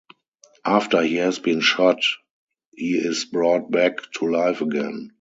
After he has been shot, he is brought back to life again.